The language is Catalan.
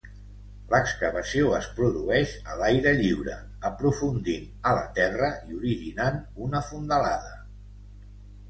L'excavació es produeix a l'aire lliure, aprofundint a la terra i originant una fondalada.